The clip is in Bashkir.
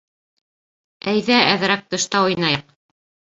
Әйҙә, әҙерәк тышта уйнайыҡ.